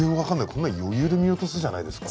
こんなの余裕で見落とすじゃないですか。